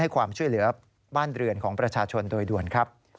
ความช่วยเหลือบ้านเรือนของประชาชนโดยด่วนครับ